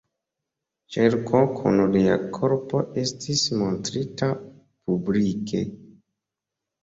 Ĉerko kun lia korpo estis montrita publike.